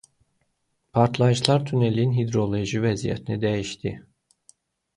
Partlayışlar tunelin hidroloji vəziyyətini dəyişdirdi.